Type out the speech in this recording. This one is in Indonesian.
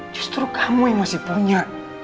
justru kamu yang masih punya